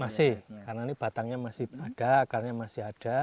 masih karena ini batangnya masih ada akarnya masih ada